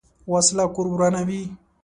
وسله کور ورانوي